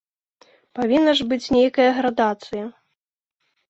Павінна ж быць нейкая градацыя.